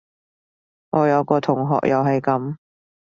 我有個同學又係噉